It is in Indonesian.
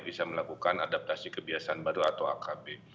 bisa melakukan adaptasi kebiasaan baru atau akb